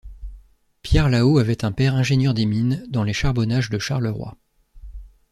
Pierre Lahaut avait un père ingénieur des mines dans les charbonnages de Charleroi.